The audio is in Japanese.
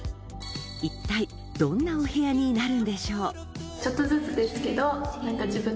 一体どんなお部屋になるんでしょう？